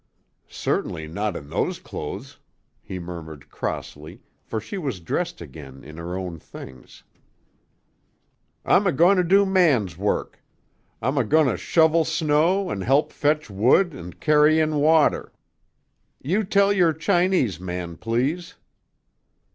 "Certainly not in those clothes," he murmured crossly, for she was dressed again in her own things. "I'm a goin' to do man's work. I'm a goin' to shovel snow an' help fetch wood an' kerry in water. You tell your Chinese man, please."